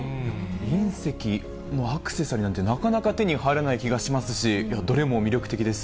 隕石のアクセサリーなんてなかなか手に入らない気がしますし、どれも魅力的です。